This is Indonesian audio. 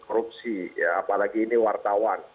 korupsi apalagi ini wartawan